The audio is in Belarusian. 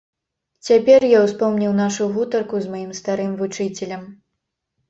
Цяпер я ўспомніў нашу гутарку з маім старым вучыцелем.